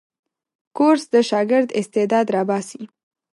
کورس د شاګرد استعداد راباسي.